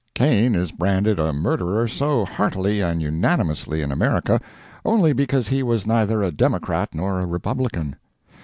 Cain is branded a murder so heartily and unanimously in America, only because he was neither a Democrat nor a Republican.